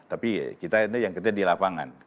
tapi kita ini yang kerja di lapangan